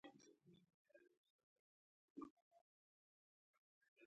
مذهبي وظیفه ترسره کوي.